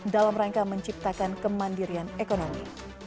dalam rangka menciptakan kemandirian ekonomi